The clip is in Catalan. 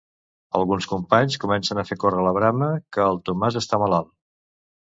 Alguns companys comencen a fer córrer la brama que el Tomàs està malalt.